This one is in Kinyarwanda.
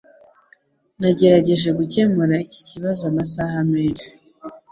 Nagerageje gukemura iki kibazo amasaha menshi.